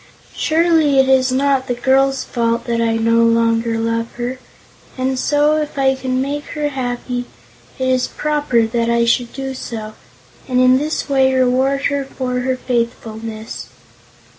Surely it is not the girl's fault that I no longer love her, and so, if I can make her happy, it is proper that I should do so, and in this way reward her for her faithfulness."